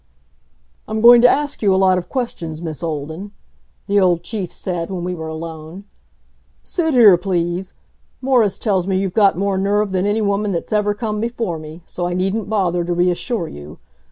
"I'm going to ask you a lot of questions, Miss Olden," the old Chief said, when we were alone. "Sit here, please. Morris tells me you've got more nerve than any woman that's ever come before me, so I needn't bother to reassure you.